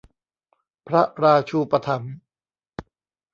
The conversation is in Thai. พระราชูปถัมภ์